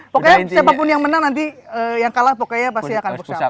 pokoknya siapapun yang menang nanti yang kalah pokoknya pasti akan bersama